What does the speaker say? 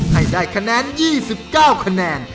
ให้ได้คะแนน๒๙คะแนน